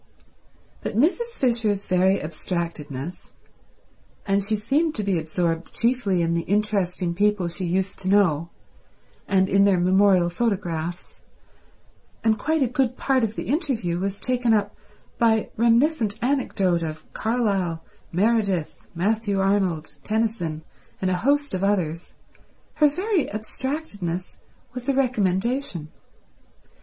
But Mrs. Fisher's very abstractedness—and she seemed to be absorbed chiefly in the interesting people she used to know and in their memorial photographs, and quite a good part of the interview was taken up by reminiscent anecdote of Carlyle, Meredith, Matthew Arnold, Tennyson, and a host of others—her very abstractedness was a recommendation.